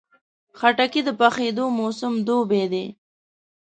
خټکی د پخېدو موسم دوبی دی.